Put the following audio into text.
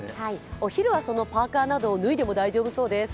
お昼は、そのパーカーなどを脱いでも大丈夫そうです。